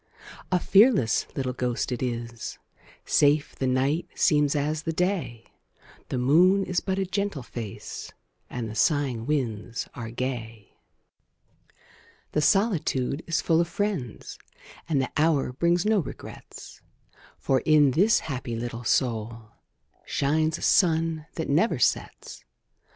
A fearless little ghost it is; Safe the night seems as the day; The moon is but a gentle face, And the sighing winds are gay. The solitude is full of friends, And the hour brings no regrets; For, in this happy little soul, Shines a sun that never sets.